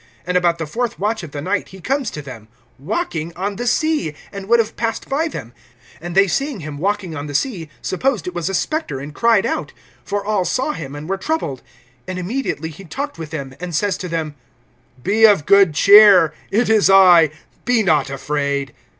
And about the fourth watch of the night he comes to them, walking on the sea, and would have passed by them. (49)And they seeing him walking on the sea, supposed it was a spectre, and cried out; (50)for all saw him, and were troubled. And immediately he talked with them, and says to them: Be of good cheer; it is I, be not afraid.